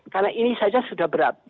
karena ini saja sudah berat